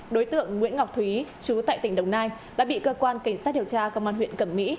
đối tượng nguyễn ngọc thúy chú tại tỉnh đồng nai đã bị cơ quan cảnh sát điều tra công an huyện cẩm mỹ